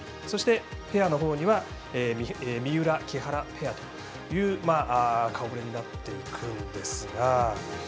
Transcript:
そして、ペアのほうには三浦、木原ペアという顔ぶれとなってくるんですが。